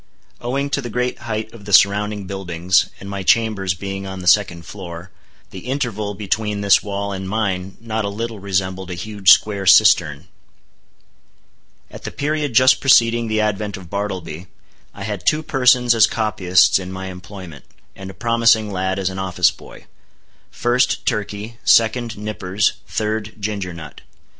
Owing to the great height of the surrounding buildings, and my chambers being on the second floor, the interval between this wall and mine not a little resembled a huge square cistern. At the period just preceding the advent of Bartleby, I had two persons as copyists in my employment, and a promising lad as an office boy. First, Turkey; second, Nippers; third, Ginger Nut.